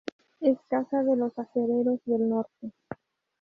Es casa de los Acereros del Norte.